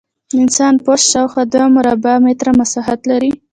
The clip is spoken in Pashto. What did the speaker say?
د انسان پوست شاوخوا دوه مربع متره مساحت لري.